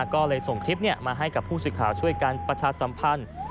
ก็เลยส่งคลิปมาให้กับผู้สื่อข่าวช่วยกันประชาสัมพันธ์